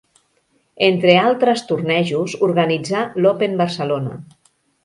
Entre altres tornejos, organitzà l'Open Barcelona.